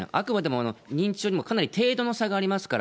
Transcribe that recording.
あとは認知症でもかなり程度の差がありますから。